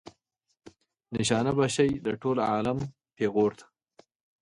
نشانه به شئ د ټول عالم پیغور ته.